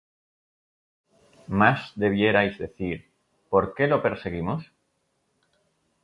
Mas debierais decir: ¿Por qué lo perseguimos?